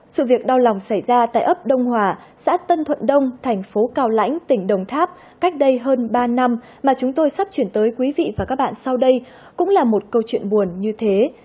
sự việc đau lòng xảy ra tại ấp đông hòa xã tân thuận đông thành phố cao lãnh tỉnh đồng tháp cách đây hơn ba năm mà chúng tôi sắp chuyển tới quý vị và các bạn sau đây cũng là một câu chuyện buồn như thế